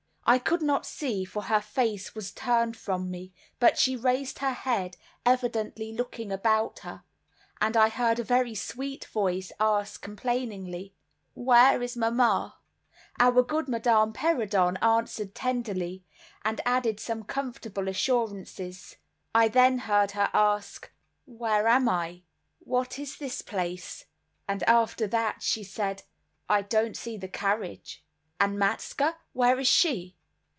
I could not see, for her face was turned from me, but she raised her head, evidently looking about her, and I heard a very sweet voice ask complainingly, "Where is mamma?" Our good Madame Perrodon answered tenderly, and added some comfortable assurances. I then heard her ask: "Where am I? What is this place?" and after that she said, "I don't see the carriage; and Matska, where is she?"